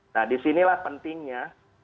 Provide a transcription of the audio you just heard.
nah di sinilah pentingnya